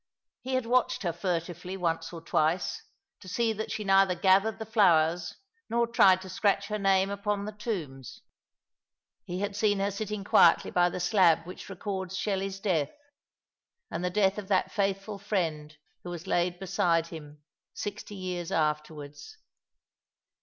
He had watched her furtively once or twice, to see that she neither gathered the flowers nor tried to scratch her name upon the tombs. He had seen her sitting quietly by the slab which records Shelley's death — and the death of that faithful friend who was laid beside him, sixty years after wards.